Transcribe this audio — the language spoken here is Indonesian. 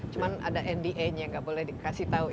cuma ada nda nya nggak boleh dikasih tahu ya